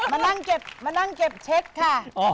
ไม่ค่ะมานั่งเก็บเช็คค่ะ